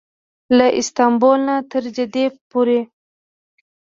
له استانبول نه تر جدې پورې.